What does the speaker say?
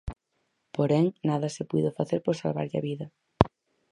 Porén, nada se puido facer por salvarlle a vida.